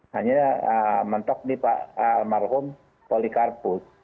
hanya mentok nih pak almarhum polikarpus